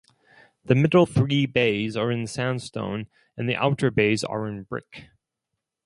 The middle three bays are in sandstone and the outer bays are in brick.